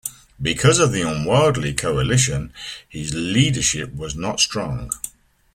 Because of the unwieldy coalition, his leadership was not strong.